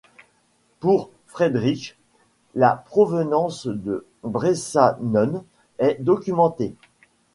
Pour Friedrich, la provenance de Bressanone est documentée.